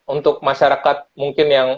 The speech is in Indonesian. untuk masyarakat mungkin yang